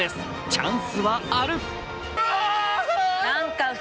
チャンスはある！